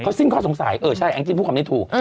เขาสิ้นข้อสงสัยเออใช่อันนี้พูดความนี้ถูก